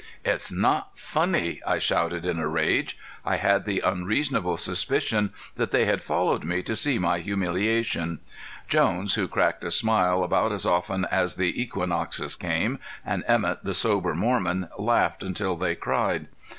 "It's not funny!" I shouted in a rage. I had the unreasonable suspicion that they had followed me to see my humiliation. Jones, who cracked a smile about as often as the equinoxes came, and Emett the sober Mormon, laughed until they cried.